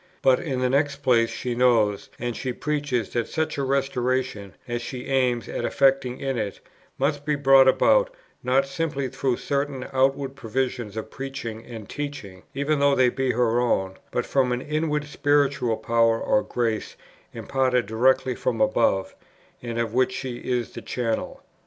But in the next place she knows and she preaches that such a restoration, as she aims at effecting in it, must be brought about, not simply through certain outward provisions of preaching and teaching, even though they be her own, but from an inward spiritual power or grace imparted directly from above, and of which she is the channel.